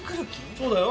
そうだよ。